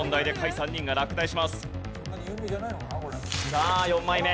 さあ４枚目。